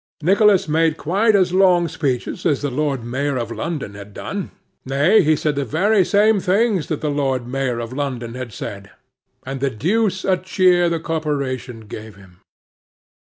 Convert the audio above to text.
Nicholas made quite as long speeches as the Lord Mayor of London had done, nay, he said the very same things that the Lord Mayor of London had said, and the deuce a cheer the corporation gave him.